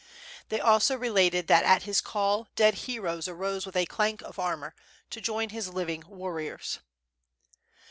They also related that at his call dead heroes arose with clank of armor, to join his living warriors.